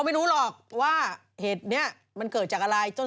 ไม่รู้เสียงใครเป็นเสียงใคร